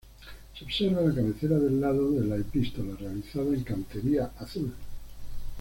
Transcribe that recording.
Se observa la cabecera del lado de la Epístola, realizada en cantería azul.